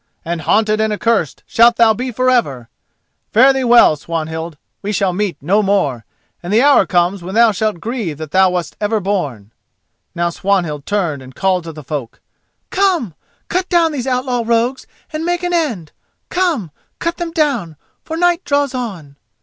—and haunted and accursed shalt thou be for ever! Fare thee well, Swanhild; we shall meet no more, and the hour comes when thou shalt grieve that thou wast ever born!" Now Swanhild turned and called to the folk: "Come, cut down these outlaw rogues and make an end. Come, cut them down, for night draws on."